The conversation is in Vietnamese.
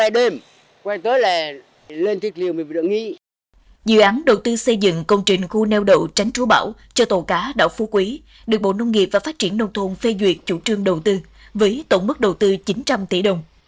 dự án đầu tư xây dựng công trình khu neo đậu tránh trú bão cho tàu cá đảo phú quý được bộ nông nghiệp và phát triển nông thôn phê duyệt chủ trương đầu tư với tổng mức đầu tư chín trăm linh tỷ đồng